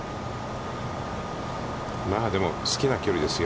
でも、好きな距離ですよ。